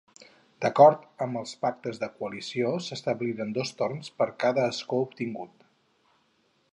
D'acord amb els pactes de coalició, s'establiren dos torns per a cada escó obtingut.